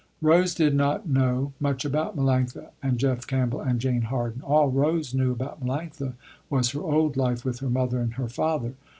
Rose did not know much about Melanctha, and Jeff Campbell and Jane Harden. All Rose knew about Melanctha was her old life with her mother and her father.